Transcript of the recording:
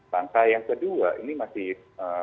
nah tangka yang kedua ini masih